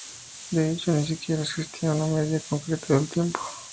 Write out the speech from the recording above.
De hecho, ni siquiera existía una medida concreta del tiempo.